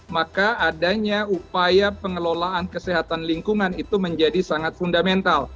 maka adanya upaya pengelolaan kesehatan lingkungan itu menjadi sangat fundamental